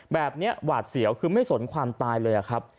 หวาดเสียวคือไม่สนความตายเลยครับ